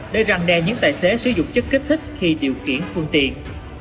để răng đe những tài xế sử dụng chất kích thích khi điều khiển phương tiện